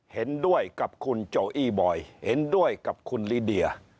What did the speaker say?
เห็นด้วยกับคุณโจอี้บอยเห็นด้วยกับคุณลิเดีย